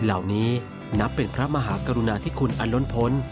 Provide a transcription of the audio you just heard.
เหล่านี้นับเป็นพระมหากรุณาธิคุณอันล้นพล